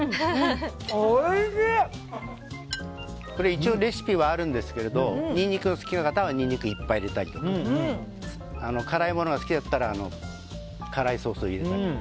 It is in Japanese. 一応レシピはあるんですがニンニクが好きな方はニンニクをいっぱい入れたりとか辛いものが好きだったら辛いソースを入れたり。